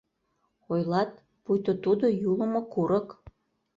Ойлат, пуйто тудо — юлымо курык.